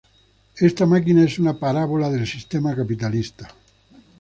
Esta máquina es una parábola del sistema capitalista.